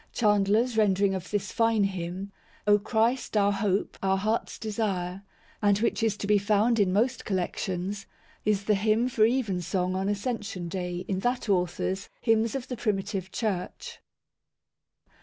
Chandler's rendering of this fine hymn—"O Christ, our hope, our heart's desire," and which is to be found in most collections, is the hymn for Evensong on Ascension Day in that author's "Hymns of the Primitive Church."